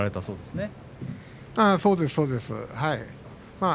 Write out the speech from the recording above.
そうです、そうです。